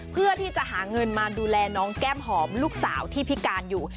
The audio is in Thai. เพื่อที่จะหาเงินมาดูแลน้องแก้มหอมลูกสาวที่พิการอยู่